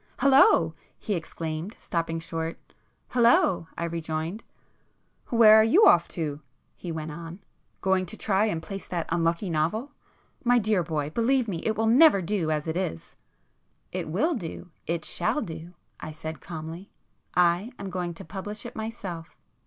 "Hullo!" he exclaimed stopping short. "Hullo!" I rejoined. "Where are you off to?" he went on—"Going to try and [p 51] place that unlucky novel? My dear boy, believe me it will never do as it is...." "It will do, it shall do;"—I said calmly—"I am going to publish it myself."